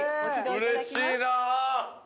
うれしいな！